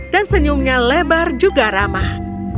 dan senyumnya lebar juga ramah